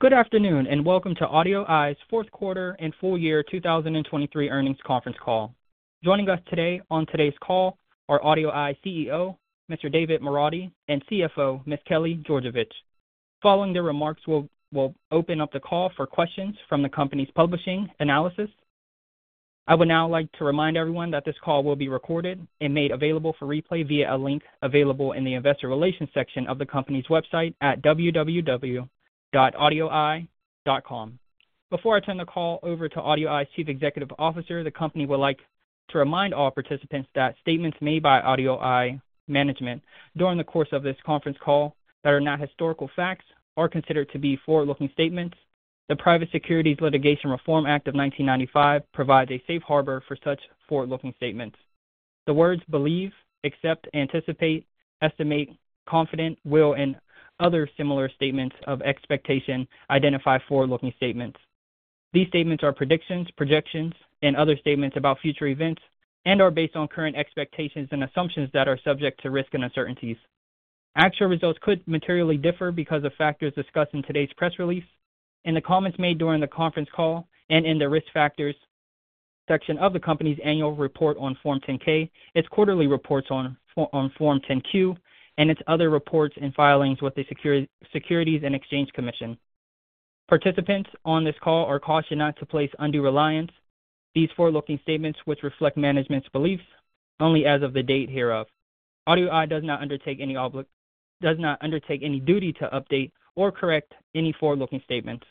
Good afternoon and welcome to AudioEye's Fourth Quarter and Full Year 2023 Earnings Conference Call. Joining us today on today's call are AudioEye CEO Mr. David Moradi and CFO Ms. Kelly Georgevich. Following their remarks we'll open up the call for questions from the company's covering analysts. I would now like to remind everyone that this call will be recorded and made available for replay via a link available in the investor relations section of the company's website at www.audioeye.com. Before I turn the call over to AudioEye's Chief Executive Officer, the company would like to remind all participants that statements made by AudioEye management during the course of this conference call that are not historical facts or considered to be forward-looking statements. The Private Securities Litigation Reform Act of 1995 provides a safe harbor for such forward-looking statements. The words "believe," "accept," "anticipate," "estimate," "confident," "will," and other similar statements of expectation identify forward-looking statements. These statements are predictions, projections, and other statements about future events and are based on current expectations and assumptions that are subject to risk and uncertainties. Actual results could materially differ because of factors discussed in today's press release, in the comments made during the conference call, and in the risk factors section of the company's annual report on Form 10-K, its quarterly reports on Form 10-Q, and its other reports and filings with the Securities and Exchange Commission. Participants on this call are cautioned not to place undue reliance on these forward-looking statements which reflect management's beliefs only as of the date hereof. AudioEye does not undertake any obligation to update or correct any forward-looking statements.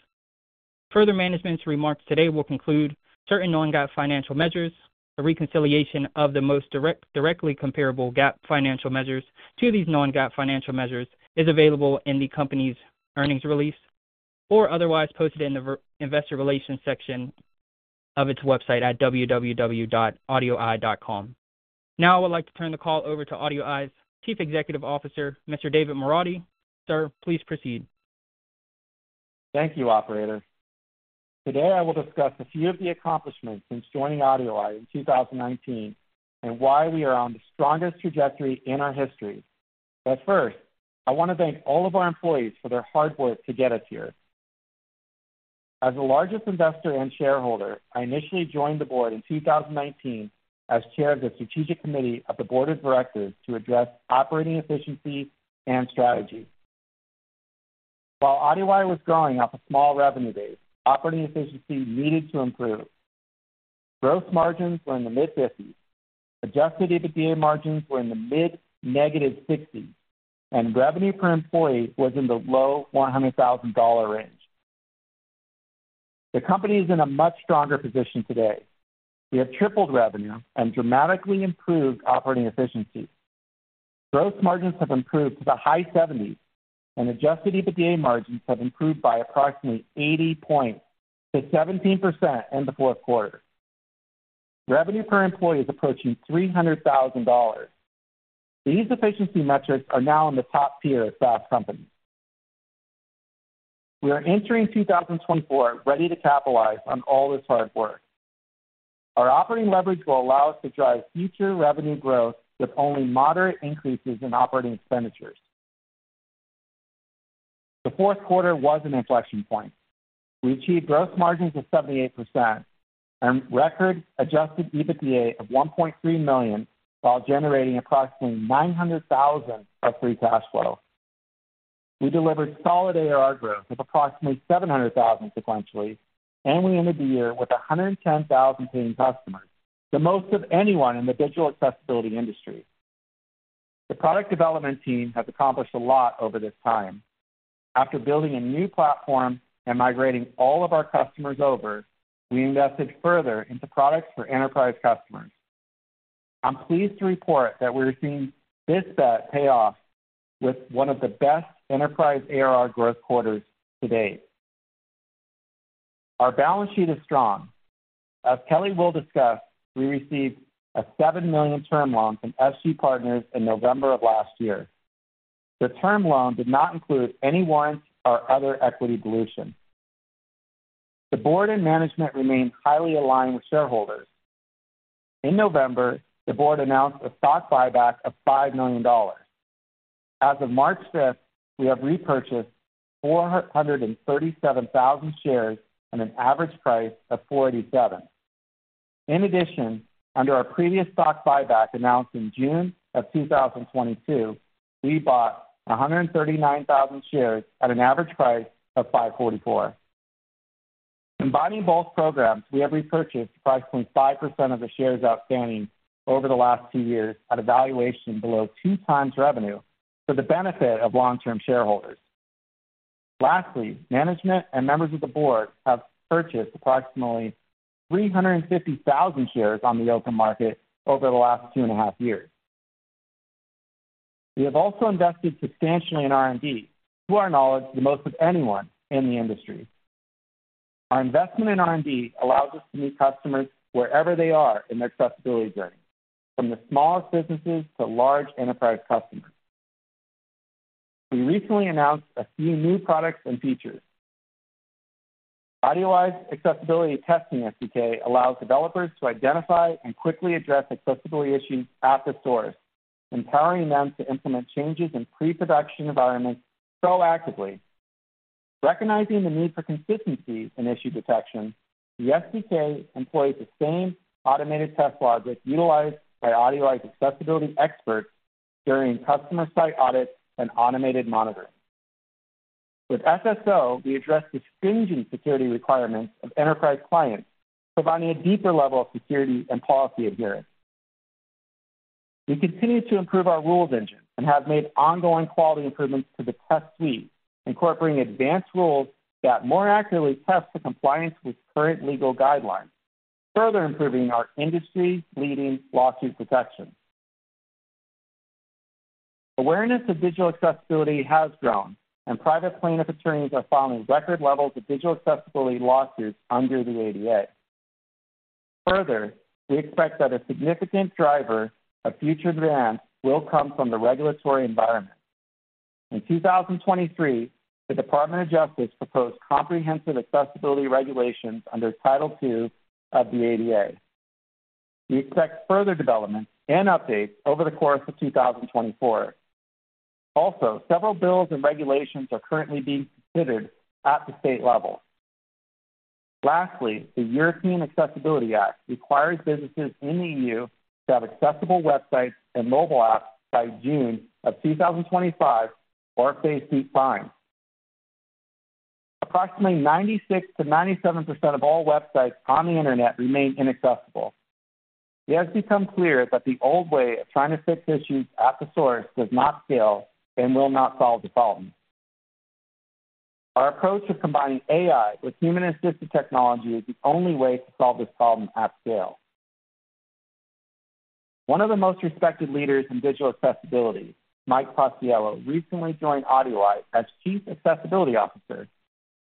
Further, management's remarks today will conclude: certain non-GAAP financial measures. A reconciliation of the most directly comparable GAAP financial measures to these non-GAAP financial measures is available in the company's earnings release or otherwise posted in the investor relations section of its website at www.audioeye.com. Now I would like to turn the call over to AudioEye's Chief Executive Officer Mr. David Moradi. Sir, please proceed. Thank you, Operator. Today I will discuss a few of the accomplishments since joining AudioEye in 2019 and why we are on the strongest trajectory in our history. First, I want to thank all of our employees for their hard work to get us here. As the largest investor and shareholder, I initially joined the board in 2019 as chair of the Strategic Committee of the Board of Directors to address operating efficiency and strategy. While AudioEye was growing off a small revenue base, operating efficiency needed to improve. Gross margins were in the mid-50s, adjusted EBITDA margins were in the mid-negative 60s, and revenue per employee was in the low $100,000 range. The company is in a much stronger position today. We have tripled revenue and dramatically improved operating efficiency. Gross margins have improved to the high 70s, and adjusted EBITDA margins have improved by approximately 80 points to 17% in the fourth quarter. Revenue per employee is approaching $300,000. These efficiency metrics are now in the top tier at SaaS companies. We are entering 2024 ready to capitalize on all this hard work. Our operating leverage will allow us to drive future revenue growth with only moderate increases in operating expenditures. The fourth quarter was an inflection point. We achieved gross margins of 78% and record adjusted EBITDA of $1.3 million while generating approximately $900,000 of free cash flow. We delivered solid ARR growth of approximately $700,000 sequentially, and we ended the year with 110,000 paying customers, the most of anyone in the digital accessibility industry. The product development team has accomplished a lot over this time. After building a new platform and migrating all of our customers over, we invested further into products for enterprise customers. I'm pleased to report that we're seeing this bet pay off with one of the best enterprise ARR growth quarters to date. Our balance sheet is strong. As Kelly will discuss, we received a $7 million term loan from SG Credit Partners in November of last year. The term loan did not include any warrants or other equity dilution. The board and management remain highly aligned with shareholders. In November, the board announced a stock buyback of $5 million. As of March 5th, we have repurchased 437,000 shares at an average price of $4.87. In addition, under our previous stock buyback announced in June of 2022, we bought 139,000 shares at an average price of $5.44. Combining both programs, we have repurchased approximately 5% of the shares outstanding over the last two years at a valuation below 2x revenue for the benefit of long-term shareholders. Lastly, management and members of the board have purchased approximately 350,000 shares on the open market over the last two and a half years. We have also invested substantially in R&D, to our knowledge, the most of anyone in the industry. Our investment in R&D allows us to meet customers wherever they are in their accessibility journey, from the smallest businesses to large enterprise customers. We recently announced a few new products and features. AudioEye's Accessibility Testing SDK allows developers to identify and quickly address accessibility issues at the source, empowering them to implement changes in pre-production environments proactively. Recognizing the need for consistency in issue detection, the SDK employs the same automated test logic utilized by AudioEye's accessibility experts during customer site audits and automated monitoring. With SSO, we address stringent security requirements of enterprise clients, providing a deeper level of security and policy adherence. We continue to improve our rules engine and have made ongoing quality improvements to the test suite, incorporating advanced rules that more accurately test for compliance with current legal guidelines, further improving our industry-leading lawsuit protection. Awareness of digital accessibility has grown, and private plaintiff attorneys are filing record levels of digital accessibility lawsuits under the ADA. Further, we expect that a significant driver of future demands will come from the regulatory environment. In 2023, the Department of Justice proposed comprehensive accessibility regulations under Title II of the ADA. We expect further developments and updates over the course of 2024. Also, several bills and regulations are currently being considered at the state level. Lastly, the European Accessibility Act requires businesses in the EU to have accessible websites and mobile apps by June of 2025 or face deep fines. Approximately 96%-97% of all websites on the internet remain inaccessible. It has become clear that the old way of trying to fix issues at the source does not scale and will not solve the problem. Our approach of combining AI with human-assisted technology is the only way to solve this problem at scale. One of the most respected leaders in digital accessibility, Mike Paciello, recently joined AudioEye as Chief Accessibility Officer.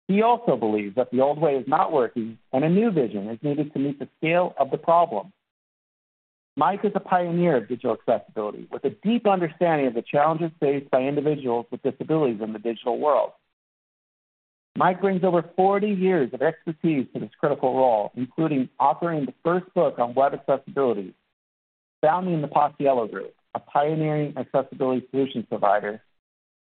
He also believes that the old way is not working and a new vision is needed to meet the scale of the problem. Mike is a pioneer of digital accessibility with a deep understanding of the challenges faced by individuals with disabilities in the digital world. Mike brings over 40 years of expertise to this critical role, including authoring the first book on web accessibility, founding the Paciello Group, a pioneering accessibility solution provider,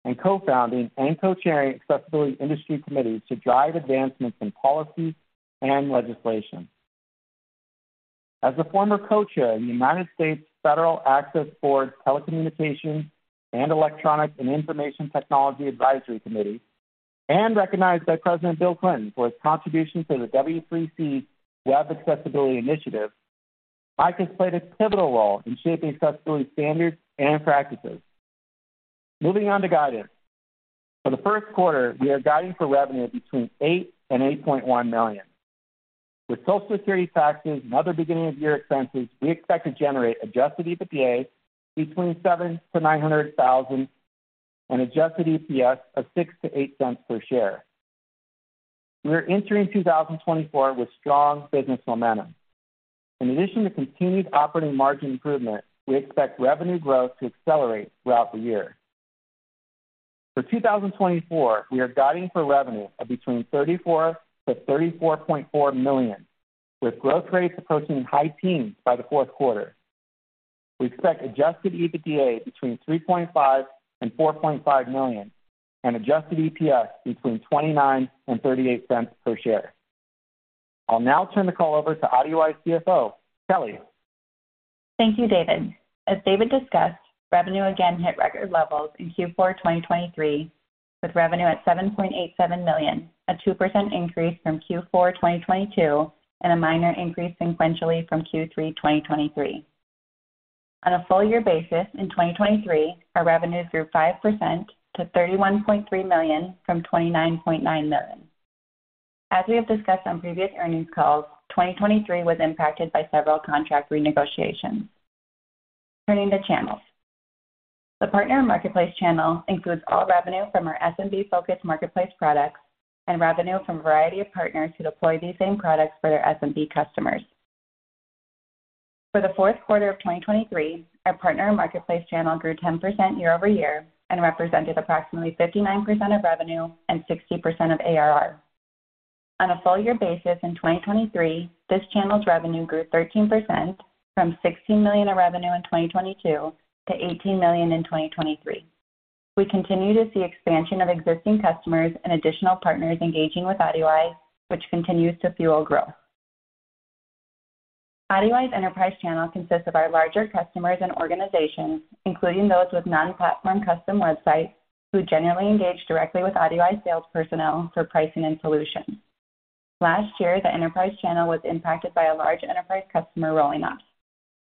and co-founding and co-chairing accessibility industry committees to drive advancements in policy and legislation. As a former co-chair of the U.S. Access Board Telecommunications and Electronic and Information Technology Advisory Committee, and recognized by President Bill Clinton for his contribution to the W3C Web Accessibility Initiative, Mike has played a pivotal role in shaping accessibility standards and practices. Moving on to guidance. For the first quarter, we are guiding for revenue between $8 million and $8.1 million. With Social Security taxes and other beginning-of-year expenses, we expect to generate adjusted EBITDA between $700,000-$900,000 and adjusted EPS of 6-8 cents per share. We are entering 2024 with strong business momentum. In addition to continued operating margin improvement, we expect revenue growth to accelerate throughout the year. For 2024, we are guiding for revenue of between $34 million-$34.4 million, with growth rates approaching high teens by the fourth quarter. We expect adjusted EBITDA between $3.5 million-$4.5 million and adjusted EPS between 29-38 cents per share. I'll now turn the call over to AudioEye CFO Kelly Georgevich. Thank you, David. As David discussed, revenue again hit record levels in Q4 2023, with revenue at $7.87 million, a 2% increase from Q4 2022, and a minor increase sequentially from Q3 2023. On a full-year basis, in 2023, our revenues grew 5% to $31.3 million from $29.9 million. As we have discussed on previous earnings calls, 2023 was impacted by several contract renegotiations. Turning to channels. The Partner Marketplace channel includes all revenue from our SMB-focused marketplace products and revenue from a variety of partners who deploy these same products for their SMB customers. For the fourth quarter of 2023, our Partner Marketplace channel grew 10% year over year and represented approximately 59% of revenue and 60% of ARR. On a full-year basis, in 2023, this channel's revenue grew 13% from $16 million in revenue in 2022 to $18 million in 2023. We continue to see expansion of existing customers and additional partners engaging with AudioEye, which continues to fuel growth. AudioEye's enterprise channel consists of our larger customers and organizations, including those with non-platform custom websites who generally engage directly with AudioEye sales personnel for pricing and solutions. Last year, the enterprise channel was impacted by a large enterprise customer rolling off.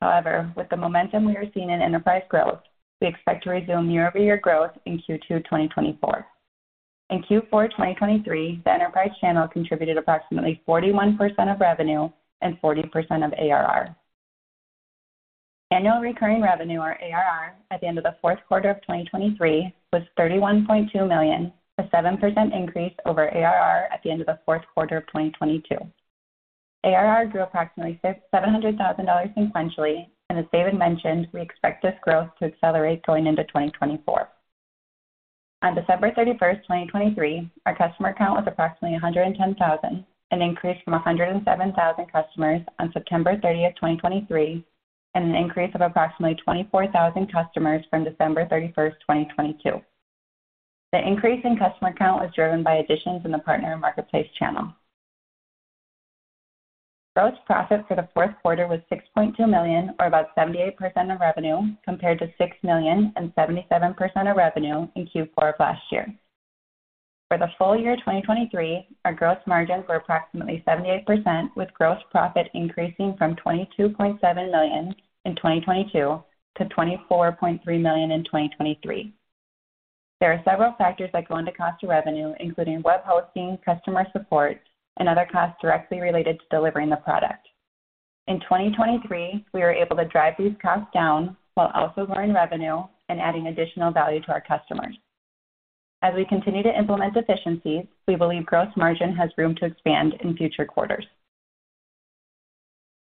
However, with the momentum we are seeing in enterprise growth, we expect to resume year-over-year growth in Q2 2024. In Q4 2023, the enterprise channel contributed approximately 41% of revenue and 40% of ARR. Annual recurring revenue, or ARR, at the end of the fourth quarter of 2023 was $31.2 million, a 7% increase over ARR at the end of the fourth quarter of 2022. ARR grew approximately $700,000 sequentially, and as David mentioned, we expect this growth to accelerate going into 2024. On December 31st, 2023, our customer count was approximately 110,000, an increase from 107,000 customers on September 30th, 2023, and an increase of approximately 24,000 customers from December 31st, 2022. The increase in customer count was driven by additions in the Partner Marketplace channel. Gross profit for the fourth quarter was $6.2 million, or about 78% of revenue, compared to $6 million and 77% of revenue in Q4 of last year. For the full year 2023, our gross margins were approximately 78%, with gross profit increasing from $22.7 million in 2022 to $24.3 million in 2023. There are several factors that go into cost of revenue, including web hosting, customer support, and other costs directly related to delivering the product. In 2023, we were able to drive these costs down while also growing revenue and adding additional value to our customers. As we continue to implement efficiencies, we believe gross margin has room to expand in future quarters.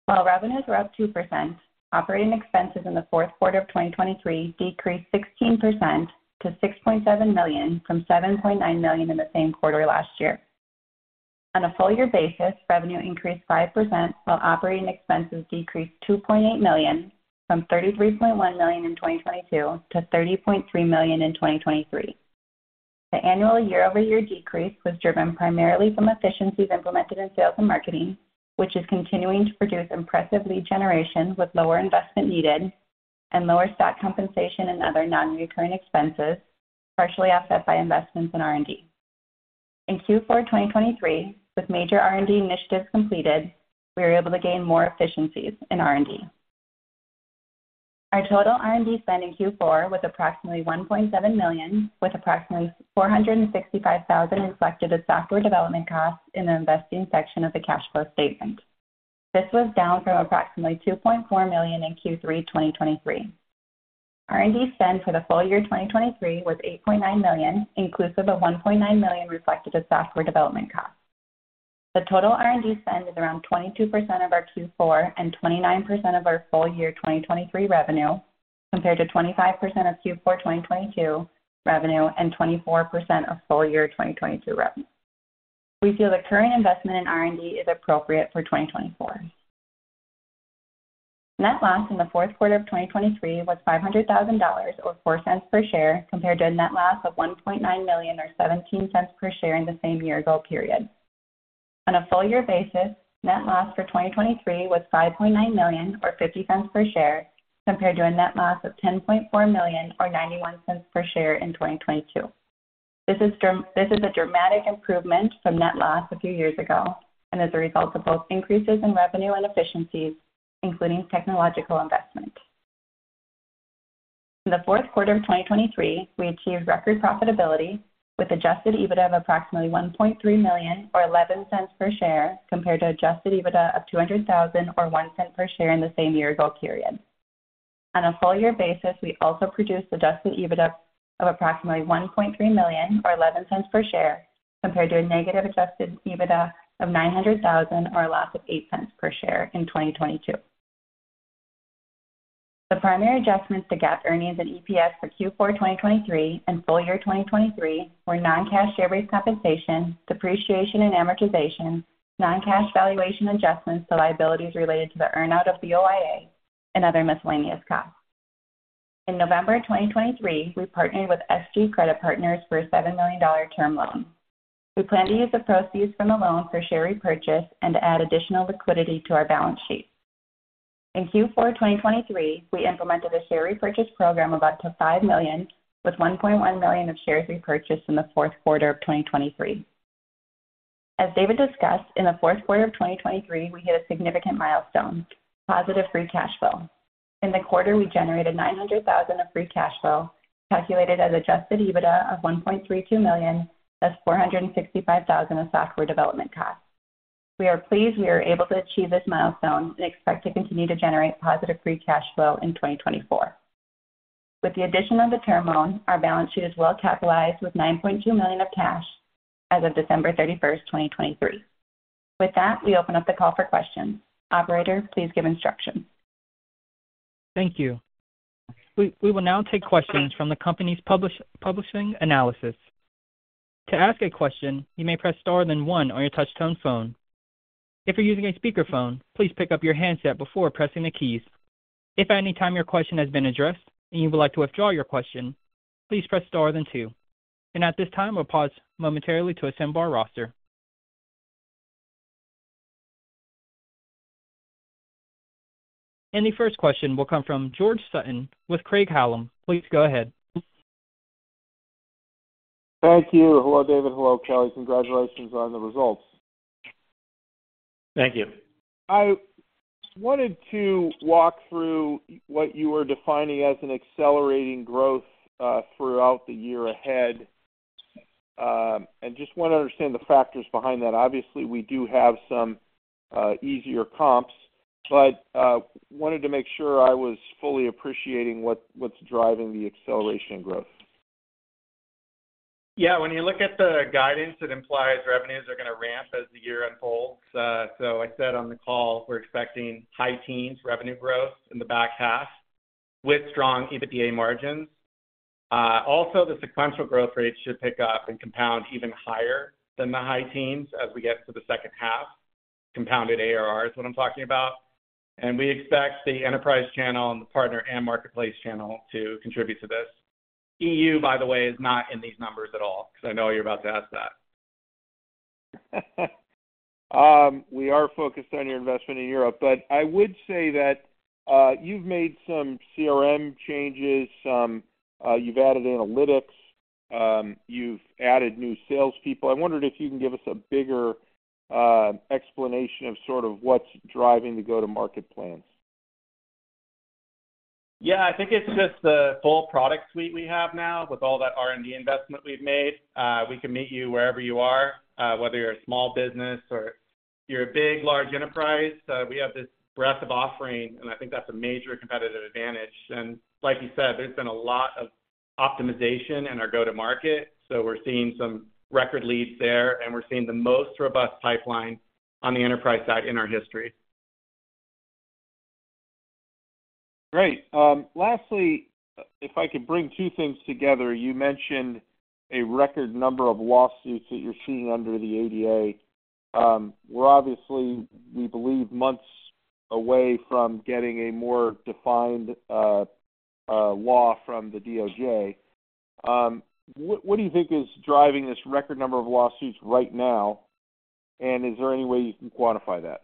While revenues were up 2%, operating expenses in the fourth quarter of 2023 decreased 16% to $6.7 million from $7.9 million in the same quarter last year. On a full-year basis, revenue increased 5% while operating expenses decreased $2.8 million from $33.1 million in 2022 to $30.3 million in 2023. The annual year-over-year decrease was driven primarily from efficiencies implemented in sales and marketing, which is continuing to produce impressive lead generation with lower investment needed and lower stock compensation and other non-recurring expenses, partially offset by investments in R&D. In Q4 2023, with major R&D initiatives completed, we were able to gain more efficiencies in R&D. Our total R&D spend in Q4 was approximately $1.7 million, with approximately $465,000 reflected as software development costs in the investing section of the cash flow statement. This was down from approximately $2.4 million in Q3 2023. R&D spend for the full year 2023 was $8.9 million, inclusive of $1.9 million reflected as software development costs. The total R&D spend is around 22% of our Q4 and 29% of our full year 2023 revenue, compared to 25% of Q4 2022 revenue and 24% of full year 2022 revenue. We feel the current investment in R&D is appropriate for 2024. Net loss in the fourth quarter of 2023 was $500,000, or $0.04 per share, compared to a net loss of $1.9 million, or $0.17 per share, in the same year-ago period. On a full-year basis, net loss for 2023 was $5.9 million, or $0.50 per share, compared to a net loss of $10.4 million, or $0.91 per share, in 2022. This is a dramatic improvement from net loss a few years ago and is a result of both increases in revenue and efficiencies, including technological investment. In the fourth quarter of 2023, we achieved record profitability with adjusted EBITDA of approximately $1.3 million, or $0.11 per share, compared to adjusted EBITDA of $200,000, or $0.01 per share, in the same year-ago period. On a full-year basis, we also produced adjusted EBITDA of approximately $1.3 million, or $0.11 per share, compared to a negative adjusted EBITDA of $900,000, or a loss of $0.08 per share in 2022. The primary adjustments to GAAP earnings and EPS for Q4 2023 and full year 2023 were non-cash share-based compensation, depreciation and amortization, non-cash valuation adjustments to liabilities related to the earnout of BoIA, and other miscellaneous costs. In November 2023, we partnered with SG Credit Partners for a $7 million term loan. We plan to use the proceeds from the loan for share repurchase and to add additional liquidity to our balance sheet. In Q4 2023, we implemented a share repurchase program of up to 5 million, with 1.1 million of shares repurchased in the fourth quarter of 2023. As David discussed, in the fourth quarter of 2023, we hit a significant milestone: positive free cash flow. In the quarter, we generated $900,000 of free cash flow, calculated as adjusted EBITDA of $1.32 million, plus $465,000 of software development costs. We are pleased we were able to achieve this milestone and expect to continue to generate positive free cash flow in 2024. With the addition of the term loan, our balance sheet is well capitalized with $9.2 million of cash as of December 31st, 2023. With that, we open up the call for questions. Operator, please give instructions. Thank you. We will now take questions from the company's participating analysts. To ask a question, you may press star, then one on your touch-tone phone. If you're using a speakerphone, please pick up your handset before pressing the keys. If at any time your question has been addressed and you would like to withdraw your question, please press star, then two. At this time, we'll pause momentarily to assemble our roster. The first question will come from George Sutton with Craig-Hallum. Please go ahead. Thank you. Hello, David. Hello, Kelly. Congratulations on the results. Thank you. I wanted to walk through what you were defining as an accelerating growth throughout the year ahead and just want to understand the factors behind that. Obviously, we do have some easier comps, but wanted to make sure I was fully appreciating what's driving the acceleration in growth. Yeah. When you look at the guidance, it implies revenues are going to ramp as the year unfolds. So I said on the call, we're expecting high teens revenue growth in the back half with strong EBITDA margins. Also, the sequential growth rates should pick up and compound even higher than the high teens as we get to the second half. Compounded ARR is what I'm talking about. And we expect the enterprise channel and the Partner and Marketplace channel to contribute to this. EU, by the way, is not in these numbers at all because I know you're about to ask that. We are focused on your investment in Europe, but I would say that you've made some CRM changes. You've added analytics. You've added new salespeople. I wondered if you can give us a bigger explanation of sort of what's driving the go-to-market plans? Yeah. I think it's just the full product suite we have now with all that R&D investment we've made. We can meet you wherever you are, whether you're a small business or you're a big, large enterprise. We have this breadth of offering, and I think that's a major competitive advantage. And like you said, there's been a lot of optimization in our go-to-market. So we're seeing some record leads there, and we're seeing the most robust pipeline on the enterprise side in our history. Great. Lastly, if I could bring two things together, you mentioned a record number of lawsuits that you're seeing under the ADA. We're obviously, we believe, months away from getting a more defined law from the DOJ. What do you think is driving this record number of lawsuits right now, and is there any way you can quantify that?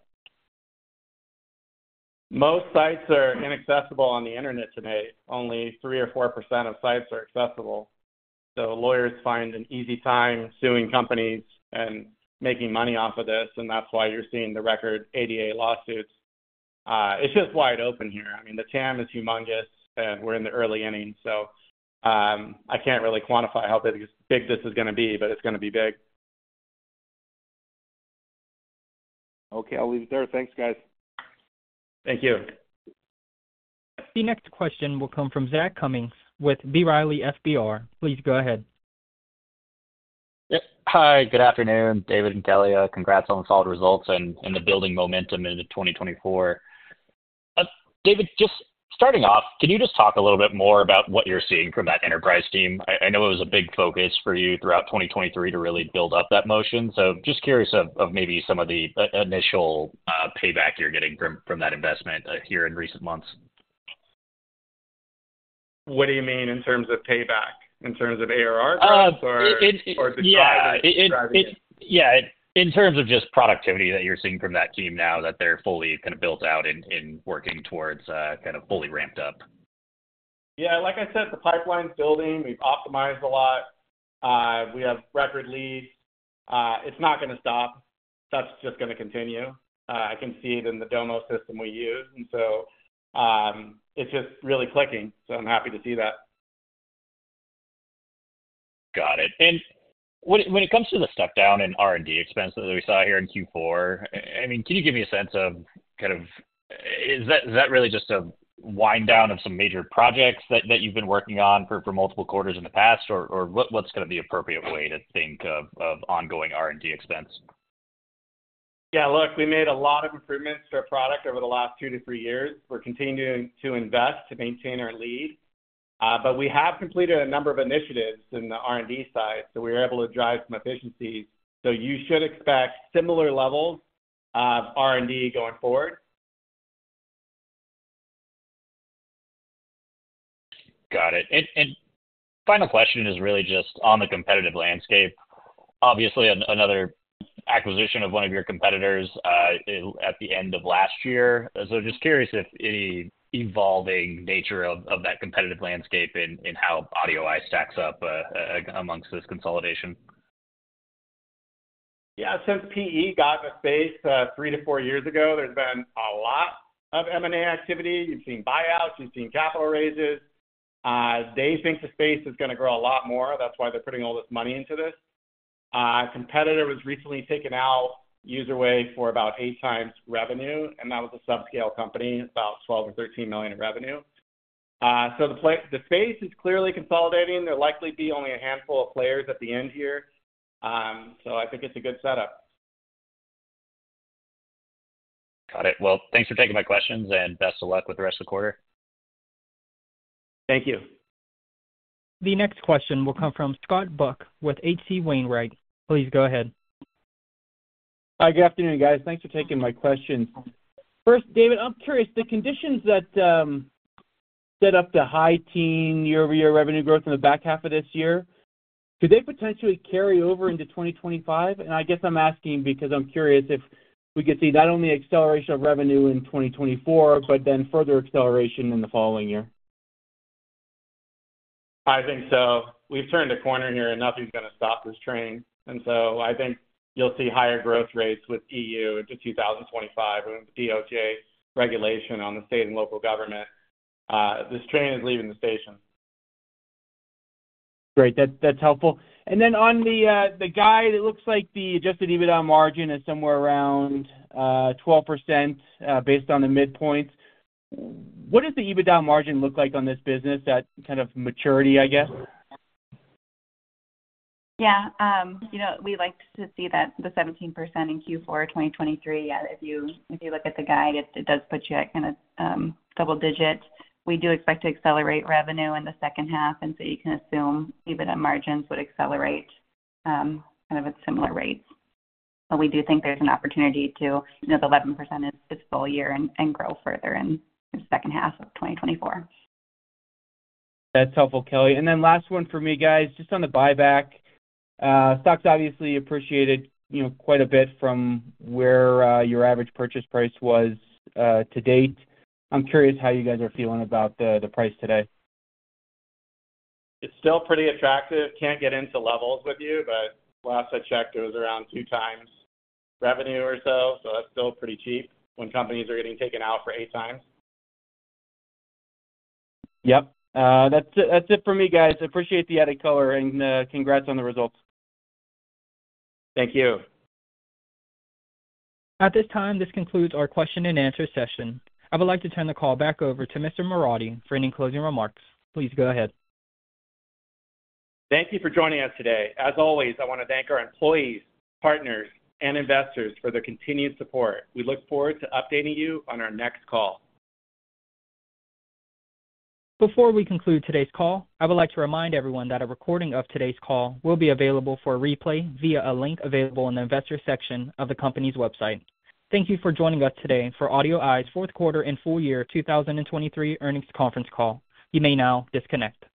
Most sites are inaccessible on the internet today. Only 3%-4% of sites are accessible. So lawyers find an easy time suing companies and making money off of this, and that's why you're seeing the record ADA lawsuits. It's just wide open here. I mean, the TAM is humongous, and we're in the early innings. So I can't really quantify how big this is going to be, but it's going to be big. Okay. I'll leave it there. Thanks, guys. Thank you. The next question will come from Zach Cummins with B. Riley FBR. Please go ahead. Hi. Good afternoon, David and Kelly. Congrats on the solid results and the building momentum into 2024. David, just starting off, can you just talk a little bit more about what you're seeing from that enterprise team? I know it was a big focus for you throughout 2023 to really build up that motion. So just curious of maybe some of the initial payback you're getting from that investment here in recent months. What do you mean in terms of payback? In terms of ARR growth or the driving? Yeah. In terms of just productivity that you're seeing from that team now, that they're fully kind of built out in working towards kind of fully ramped up. Yeah. Like I said, the pipeline's building. We've optimized a lot. We have record leads. It's not going to stop. That's just going to continue. I can see it in the Domo system we use. And so it's just really clicking, so I'm happy to see that. Got it. And when it comes to the step-down in R&D expense that we saw here in Q4, I mean, can you give me a sense of kind of is that really just a wind-down of some major projects that you've been working on for multiple quarters in the past, or what's going to be the appropriate way to think of ongoing R&D expense? Yeah. Look, we made a lot of improvements to our product over the last 2-3 years. We're continuing to invest to maintain our lead. But we have completed a number of initiatives in the R&D side, so we were able to drive some efficiencies. So you should expect similar levels of R&D going forward. Got it. And final question is really just on the competitive landscape. Obviously, another acquisition of one of your competitors at the end of last year. So just curious if any evolving nature of that competitive landscape in how AudioEye stacks up amongst this consolidation? Yeah. Since PE got the space three to four years ago, there's been a lot of M&A activity. You've seen buyouts. You've seen capital raises. They think the space is going to grow a lot more. That's why they're putting all this money into this. A competitor was recently taken out UserWay for about 8x revenue, and that was a subscale company, about $12 million or $13 million in revenue. So the space is clearly consolidating. There'll likely be only a handful of players at the end here. So I think it's a good setup. Got it. Well, thanks for taking my questions, and best of luck with the rest of the quarter. Thank you. The next question will come from Scott Buck with H.C. Wainwright. Please go ahead. Good afternoon, guys. Thanks for taking my questions. First, David, I'm curious. The conditions that set up the high teen year-over-year revenue growth in the back half of this year, could they potentially carry over into 2025? I guess I'm asking because I'm curious if we could see not only acceleration of revenue in 2024 but then further acceleration in the following year. I think so. We've turned a corner here, and nothing's going to stop this train. And so I think you'll see higher growth rates with EU into 2025 and with DOJ regulation on the state and local government. This train is leaving the station. Great. That's helpful. And then on the guide, it looks like the Adjusted EBITDA margin is somewhere around 12% based on the midpoint. What does the EBITDA margin look like on this business at kind of maturity, I guess? Yeah. We like to see the 17% in Q4 2023. If you look at the guide, it does put you at kind of double digits. We do expect to accelerate revenue in the second half, and so you can assume EBITDA margins would accelerate kind of at similar rates. But we do think there's an opportunity to. The 11% is full year and grow further in the second half of 2024. That's helpful, Kelly. And then last one for me, guys, just on the buyback. Stocks obviously appreciated quite a bit from where your average purchase price was to date. I'm curious how you guys are feeling about the price today. It's still pretty attractive. Can't get into levels with you, but last I checked, it was around 2x revenue or so. So that's still pretty cheap when companies are getting taken out for 8x. Yep. That's it for me, guys. Appreciate the added color, and congrats on the results. Thank you. At this time, this concludes our question-and-answer session. I would like to turn the call back over to Mr. Moradi for any closing remarks. Please go ahead. Thank you for joining us today. As always, I want to thank our employees, partners, and investors for their continued support. We look forward to updating you on our next call. Before we conclude today's call, I would like to remind everyone that a recording of today's call will be available for replay via a link available in the investor section of the company's website. Thank you for joining us today for AudioEye's fourth quarter and full year 2023 earnings conference call. You may now disconnect.